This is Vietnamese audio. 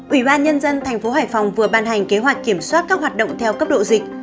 ủy ban nhân dân thành phố hải phòng vừa ban hành kế hoạch kiểm soát các hoạt động theo cấp độ dịch